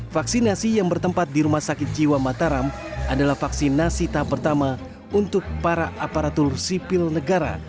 vaksinasi yang bertempat di rumah sakit jiwa mataram adalah vaksinasi tahap pertama untuk para aparatur sipil negara